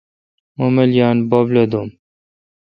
مہ مل یان، بب لو دو°م۔